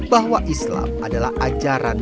bahwa islam adalah ajaran